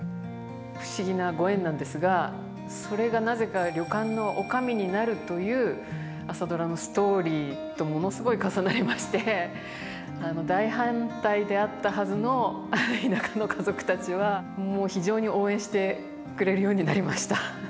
不思議なご縁なんですがそれがなぜか旅館の女将になるという「朝ドラ」のストーリーとものすごい重なりまして大反対であったはずの田舎の家族たちはもう非常に応援してくれるようになりました。